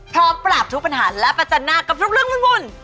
พร้อมปราบทุกปัญหาและประจันหน้ากับทุกเรื่องวุ่น